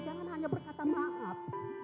jangan hanya berkata maaf